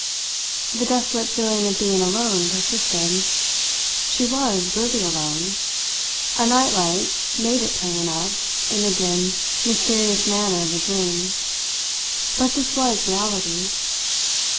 The desolate feeling of being alone persisted. She was really alone. A night light made it plain enough, in the dim, mysterious manner of a dream; but this was reality.